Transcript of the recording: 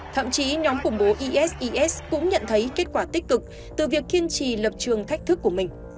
thậm chí nhóm khủng bố eses cũng nhận thấy kết quả tích cực từ việc kiên trì lập trường thách thức của mình